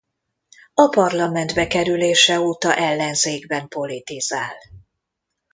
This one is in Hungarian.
A Parlamentbe kerülése óta ellenzékben politizál.